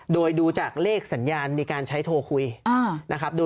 โดยดูจากเลขสัญญาณในการใช้โทรคุยนะครับ